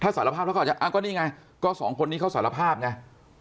สารภาพแล้วก็อาจจะอ้าวก็นี่ไงก็สองคนนี้เขาสารภาพไง